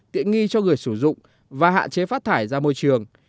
tiện nghi cho người sử dụng và hạn chế phát thải ra môi trường